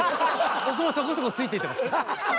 僕もそこそこついていってます！